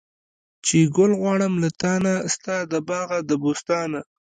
چې ګل غواړم له تانه، ستا د باغه د بوستانه